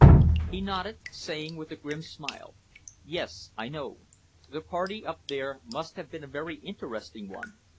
He nodded, saying with a grim smile, "Yes; I know. The party up there must have been a very interesting one.